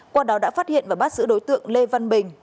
qua đó đã phát hiện và bắt giữ đối tượng lê văn bình